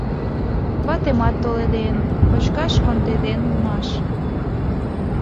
Ватемат толеден, кочкаш кондеден улмаш.